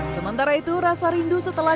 sementara itu rasa rindu setelah